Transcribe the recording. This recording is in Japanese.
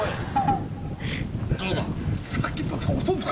どうだ？